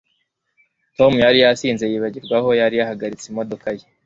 Tom yari yasinze yibagirwa aho yari yahagaritse imodoka ye